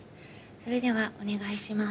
それではお願いします。